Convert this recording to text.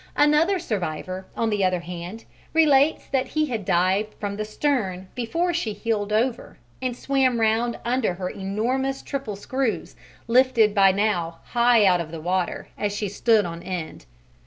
Another survivor, on the other hand, relates that he had dived from the stern before she heeled over, and swam round under her enormous triple screws lifted by now high out of the water as she stood on end.